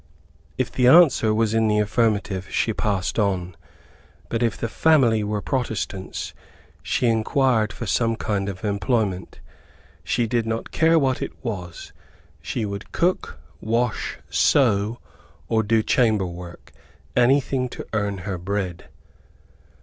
If the answer was in the affirmative, she passed on, but if the family were Protestants, she inquired for some kind of employment. She did not care what it was; she would cook, wash, sew, or do chamber work anything to earn her bread.